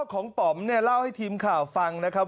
พ่อของปอมเล่าให้ทีมข่าวฟังนะครับ